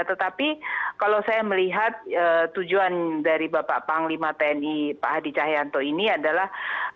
tetapi kalau saya melihat tujuan dari bapak panglima tni pak hadi cahyanto ini adalah